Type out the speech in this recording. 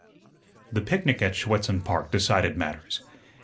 The picnic at Schuetzen Park decided matters.